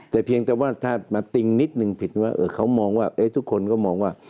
แต่เพียงแต่ว่าถ้ามาติ้งนิดนึงผิดว่าเขามองว่าทุกคนก็มองว่า